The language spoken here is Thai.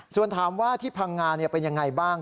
ส่วนถามว่าที่พังงาเป็นยังไงบ้าง